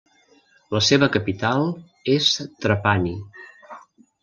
La seva capital és Trapani.